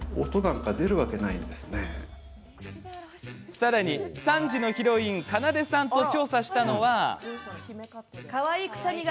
さらに、３時のヒロインかなでさんと調査したのは。